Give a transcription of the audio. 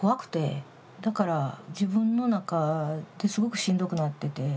だから自分の中ですごくしんどくなってて。